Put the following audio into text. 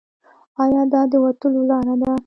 ایا دا د وتلو لار ده؟